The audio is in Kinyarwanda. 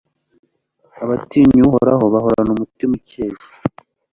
abatinya uhoraho bahorana umutima ukeye